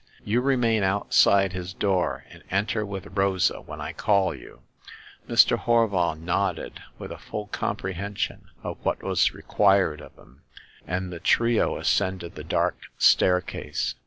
You remain outside his door, and enter with Rosa when I call you " Mr. Horval nodded, with a full comprehension of what was required of him, and the trio as cended the dark staircase.